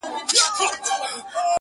د پنیر ټوټه ترې ولوېده له پاسه،